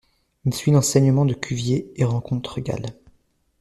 Il suit l'enseignement de Cuvier et rencontre Gall.